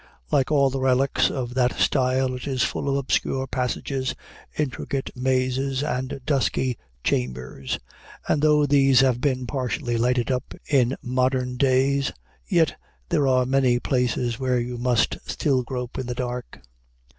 Like all the relics of that style, it is full of obscure passages, intricate mazes, and dusky chambers; and though these have been partially lighted up in modern days, yet there are many places where you must still grope in the dark.